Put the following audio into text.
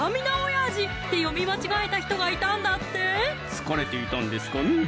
疲れていたんですかね